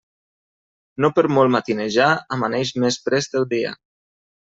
No per molt matinejar, amaneix més prest el dia.